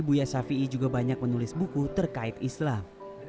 buya shafi'i juga banyak menulis buku terkait islam